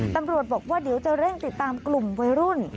ตำรวจบอกว่าเดี๋ยวจะเร่งติดตามกลุ่มวัยรุ่น